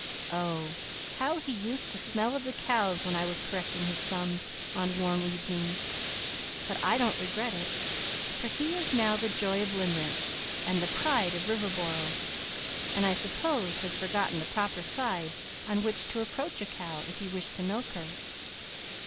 Oh! How he used to smell of the cows when I was correcting his sums on warm evenings, but I don't regret it, for he is now the joy of Limerick and the pride of Riverboro, and I suppose has forgotten the proper side on which to approach a cow if you wish to milk her.